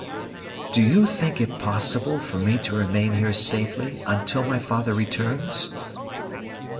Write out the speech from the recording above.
"Do you think it possible for me to remain here safely until my father returns?"